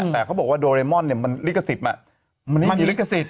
แต่เขาบอกว่าโดเรมอนมันลิขสิทธิ์มันไม่มีลิขสิทธิ์